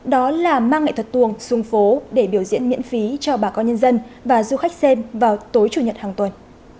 đó là mang nghệ thuật tuồng xuống phố để biểu diễn miễn phí cho bà con nhân dân và du khách xem vào tối chủ nhật hàng tuần